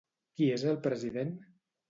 Qui és el president?